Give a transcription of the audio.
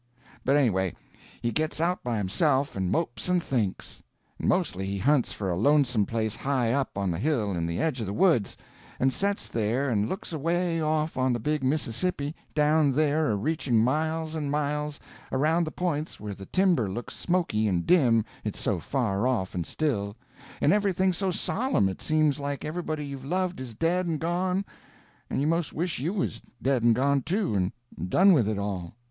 But anyway, he gets out by himself and mopes and thinks; and mostly he hunts for a lonesome place high up on the hill in the edge of the woods, and sets there and looks away off on the big Mississippi down there a reaching miles and miles around the points where the timber looks smoky and dim it's so far off and still, and everything's so solemn it seems like everybody you've loved is dead and gone, and you 'most wish you was dead and gone too, and done with it all.